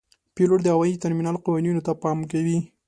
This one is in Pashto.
پیلوټ د هوايي ترمینل قوانینو ته پام کوي.